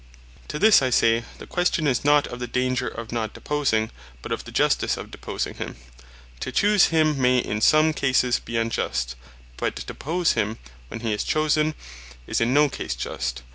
To this I say, the question is not of the danger of not deposing; but of the Justice of deposing him. To choose him, may in some cases bee unjust; but to depose him, when he is chosen, is in no case Just.